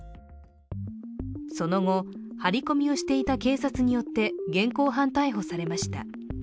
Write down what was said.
その後、張り込みをしていた警察によって現行犯逮捕されました。